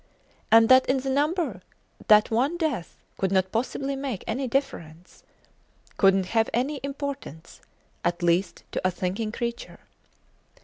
and that in the number, that one death could not possibly make any difference; couldnt have any importance, at least to a thinking creature.